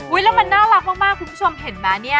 แล้วมันน่ารักมากคุณผู้ชมเห็นไหมเนี่ย